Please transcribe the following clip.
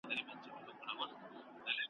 خدایه ژوند راباندې داسې بوج دے